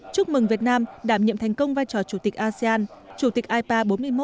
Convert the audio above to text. chúc mừng việt nam đảm nhiệm thành công vai trò chủ tịch asean chủ tịch ipa bốn mươi một